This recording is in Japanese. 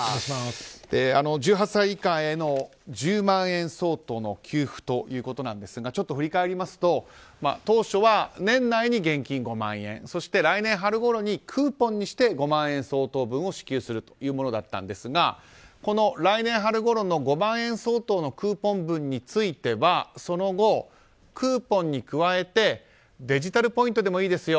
１８歳以下への１０万円相当の給付ということですがちょっと振り返りますと当初は年内に現金５万円そして来年春ごろにクーポンにして５万円相当分を支給するというものでしたがこの来年春ごろの５万円相当のクーポン分についてはその後、クーポンに加えてデジタルポイントでもいいですよ